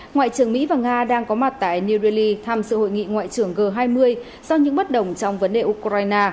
ngoại trưởng mỹ và nga đang có mặt tại new delhi tham sự hội nghị ngoại trưởng g hai mươi do những bất đồng trong vấn đề ukraine